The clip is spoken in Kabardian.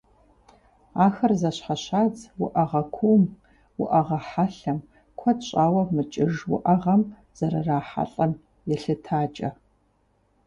Ахэр зэщхьэщадз уӏэгъэ кууум, уӏэгъэ хьэлъэм, куэд щӏауэ мыкӏыж уӏэгъэм зэрырахьэлӏэм елъытакӏэ.